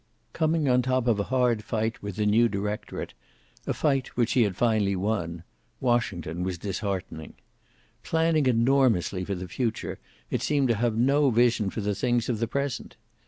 Coming on top of a hard fight with the new directorate, a fight which he had finally won, Washington was disheartening. Planning enormously for the future it seemed to have no vision for the things of the present.